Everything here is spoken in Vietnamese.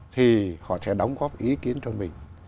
thì họ sẽ đóng góp ý kiến cho mình